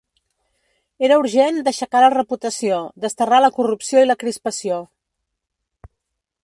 Era urgent d’aixecar la reputació, desterrar la corrupció i la crispació.